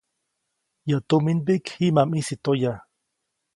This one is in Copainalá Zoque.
Yäʼ tuminmbiʼk jiʼ ma ʼmisi toya.